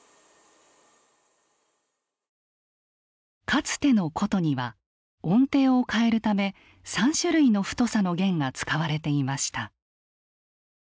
かつての箏には音程を変えるため３種類の太さの弦が使われていました。